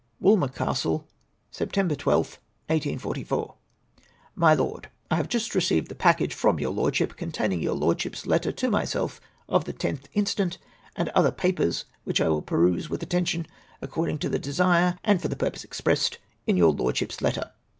Walmcr Castle, Sept. 12tli, 1844. "My Loed, — I have just received the package from your Lordship, containing your Lordship's letter to myself of the 10th inst. and other papers, which I will peruse with atten tion according to the desire and for the jiurpose expressed in your Lordship's letter.